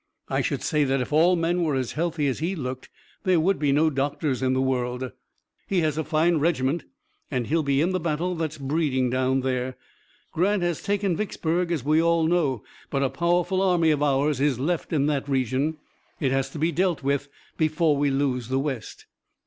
I should say that if all men were as healthy as he looked there would be no doctors in the world. He has a fine regiment and he'll be in the battle that's breeding down there. Grant has taken Vicksburg, as we all know, but a powerful army of ours is left in that region. It has to be dealt with before we lose the West."